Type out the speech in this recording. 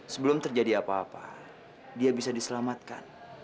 sebelum terjadi apa apa dia bisa diselamatkan